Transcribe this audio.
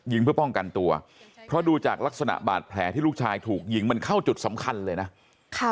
เพื่อป้องกันตัวเพราะดูจากลักษณะบาดแผลที่ลูกชายถูกยิงมันเข้าจุดสำคัญเลยนะค่ะ